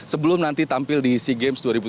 sebelum nanti tampil di sea games dua ribu tujuh belas